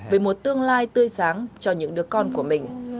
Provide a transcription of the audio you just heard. về một tương lai tươi sáng cho những đứa con của mình